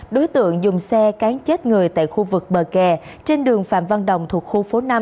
đối tượng dùng xe cán chết người tại khu vực bờ kè trên đường phạm văn đồng thuộc khu phố năm